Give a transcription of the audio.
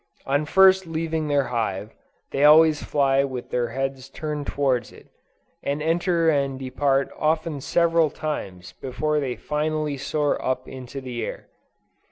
On first leaving their hive, they always fly with their heads turned towards it, and enter and depart often several times before they finally soar up into the air.